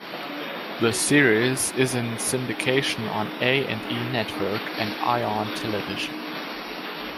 The series is in syndication on A and E Network, and Ion Television.